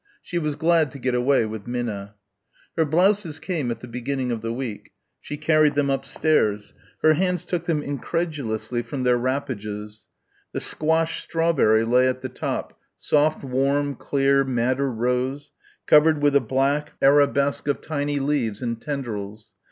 She was glad to get away with Minna. Her blouses came at the beginning of the week. She carried them upstairs. Her hands took them incredulously from their wrappages. The "squashed strawberry" lay at the top, soft warm clear madder rose, covered with a black arabesque of tiny leaves and tendrils.